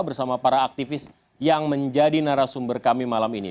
bersama para aktivis yang menjadi narasumber kami malam ini